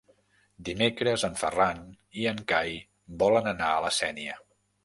Dimecres en Ferran i en Cai volen anar a la Sénia.